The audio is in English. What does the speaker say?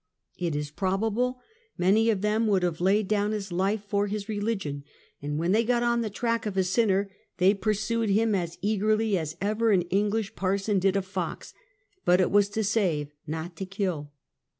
It is probable many of tliem would have laid down his life for his religion, and when they got on the track of a sinner, they pursued him as eagerly as ever an English parson did a fox, but it was to save, not to kill.